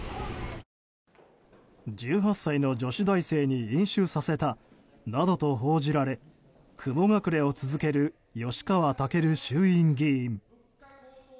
１８歳の女子大生に飲酒させたなどと報じられ雲隠れを続ける吉川赳衆院議員。